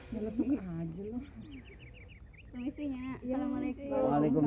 permisi nya assalamualaikum